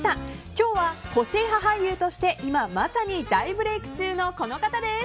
今日は個性派俳優として今まさに大ブレーク中のこの方です。